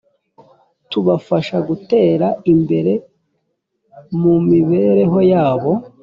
tubafasha gutera imbere mu mibereho yabo